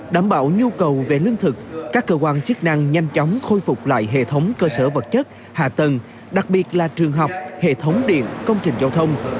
đảm bảo nhu cầu về lương thực các cơ quan chức năng nhanh chóng khôi phục lại hệ thống cơ sở vật chất hạ tầng đặc biệt là trường học hệ thống điện công trình giao thông